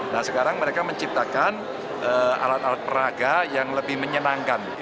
nah sekarang mereka menciptakan alat alat peraga yang lebih menyenangkan